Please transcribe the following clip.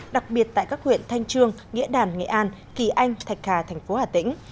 đặc biệt tại các huyện thanh trương nghĩa đàn nghệ an kỳ anh thạch khà tp hà tĩnh